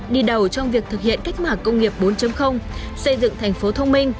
đi đầu trong việc thực hiện cách mạng công nghiệp bốn xây dựng thành phố thông minh